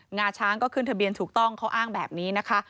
งาช้างก็ขึ้นทะเบียนถูกต้องเขาอ้างแบบนี้นะคะ